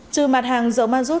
trừ mặt hàng dầu ma rút